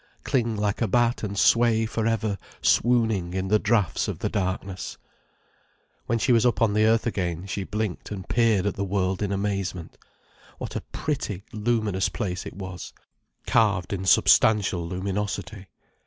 Cling like a bat and sway for ever swooning in the draughts of the darkness— When she was up on the earth again she blinked and peered at the world in amazement. What a pretty, luminous place it was, carved in substantial luminosity.